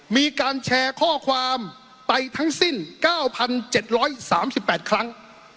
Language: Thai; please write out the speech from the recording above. มีการแชร์ข้อความไปทั้งสิ้นเก้าพันเจ็ดร้อยสามสิบแปดครั้ง